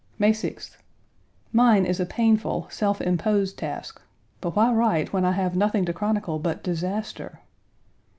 May 6th. Mine is a painful, self imposed task: but why write when I have nothing to chronicle but disaster?